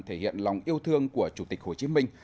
thể hiện lòng yêu thương của chủ tịch hồ chí minh